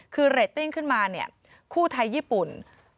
คือเรตติ้งขึ้นมาคู่ไทยญี่ปุ่น๗๖๒๕